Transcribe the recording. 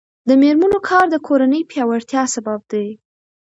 د میرمنو کار د کورنۍ پیاوړتیا سبب دی.